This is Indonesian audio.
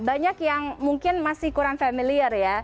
banyak yang mungkin masih kurang familiar ya